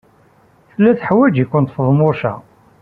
Tella teḥwaj-ikent Feḍmuca.